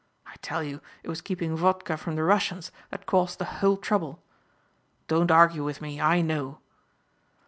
I tell you it was keeping vodka from the Russians that caused the whole trouble. Don't argue with me. I know."